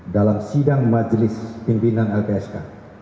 dalam sidang majelis pimpinan lpsk